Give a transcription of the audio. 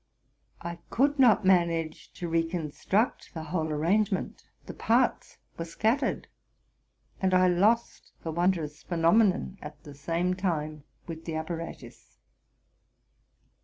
I could not manage to reconstruct the whole arrangement: the parts were scattered, and I lost the wondrous phenomenon at the same time with the apparatus.